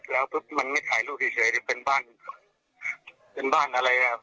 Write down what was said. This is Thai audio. แล้วอย่างนี้จ่ายจะทำไงครับ